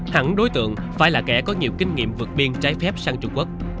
hẳn đối tượng phải là kẻ có nhiều kinh nghiệm vượt biên trái phép sang trung quốc